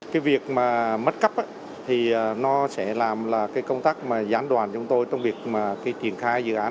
cái việc mất cáp thì nó sẽ làm công tác gián đoàn chúng tôi trong việc triển khai dự án